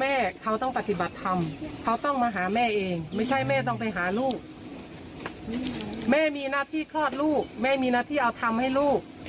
แม่เขามีหน้าที่คลอดลูกแม่มีหน้าที่เอาทำให้ลูก